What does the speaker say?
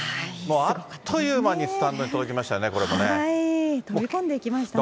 あっという間にスタンドに届きましたよね、飛び込んでいきましたね。